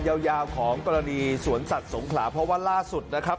ยาวของกรณีสวนสัตว์สงขลาเพราะว่าล่าสุดนะครับ